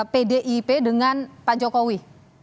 pdip dengan pak jokowi